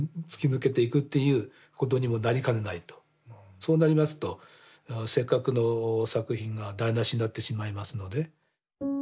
そうなりますとせっかくの作品が台なしになってしまいますので。